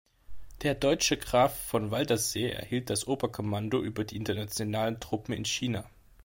Der deutsche Graf von Waldersee erhielt das Oberkommando über die internationalen Truppen in China.